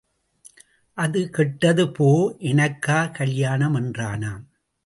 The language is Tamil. அது கெட்டது போ, எனக்கா கல்யாணம் என்றானாம்.